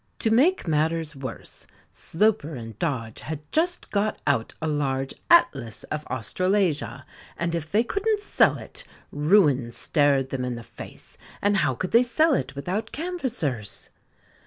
To make matters worse, Sloper and Dodge had just got out a large Atlas of Australasia, and if they couldn't sell it, ruin stared them in the face; and how could they sell it without canvassers?